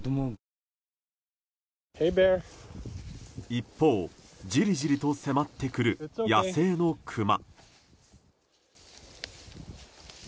一方、じりじりと迫ってくる野生のクマ。